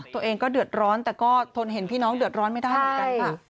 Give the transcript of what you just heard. ตัวเองก็เดือดร้อนแต่ก็ทนเห็นพี่น้องเดือดร้อนไม่ได้เหมือนกันค่ะ